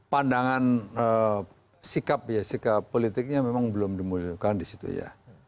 pandangan sikap ya sikap politiknya memang belum dimunculkan di situ ya